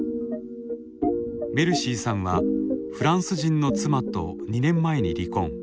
メルシーさんはフランス人の妻と２年前に離婚。